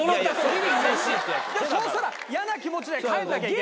そうしたらイヤな気持ちで帰んなきゃいけない。